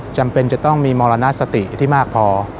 จำเป็นจะต้องมีมรณสติที่มากพอ